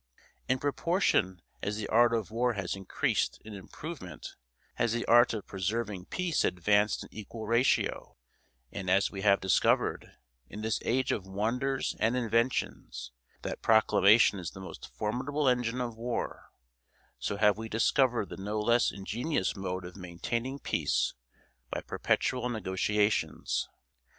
In proportion as the art of war has increased in improvement has the art of preserving peace advanced in equal ratio; and as we have discovered, in this age of wonders and inventions, that proclamation is the most formidable engine of war, so have we discovered the no less ingenious mode of maintaining peace by perpetual negotiations.